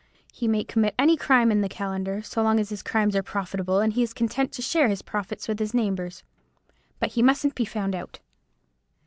He may commit any crime in the calendar, so long as his crimes are profitable, and he is content to share his profits with his neighbours. But he mustn't be found out."